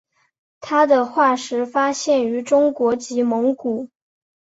它的化石发现于中国及蒙古。